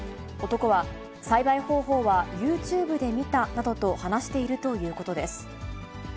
男は、栽培方法はユーチューブで見たなどと話しているということです。